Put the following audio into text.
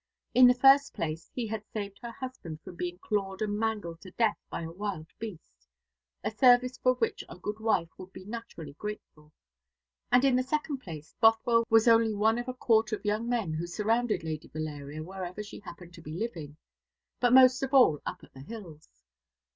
In the first place, he had saved her husband from being clawed and mangled to death by a wild beast, a service for which a good wife would be naturally grateful; and in the second place, Bothwell was only one of a court of young men who surrounded Lady Valeria wherever she happened to be living but most of all up at the hills.